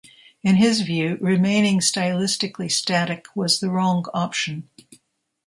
In his view, remaining stylistically static was the wrong option.